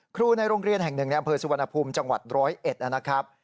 ครูในโรงเรียนแห่งหนึ่งในอำเภอสุวรรณภูมิจังหวัด๑๐๑นะครับ